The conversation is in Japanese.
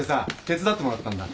手伝ってもらったんだ。